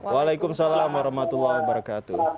waalaikumsalam warahmatullahi wabarakatuh